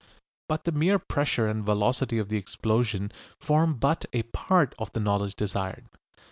But the mere pressure and velocity of the explosion form but a part of the knowledge desired.